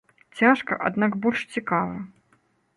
Цяжка, аднак больш цікава.